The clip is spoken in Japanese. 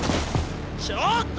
ちょっと！